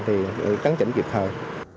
thì cắn chỉnh kịp thời